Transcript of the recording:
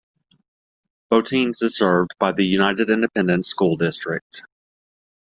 Botines is served by the United Independent School District.